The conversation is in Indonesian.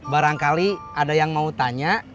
barangkali ada yang mau tanya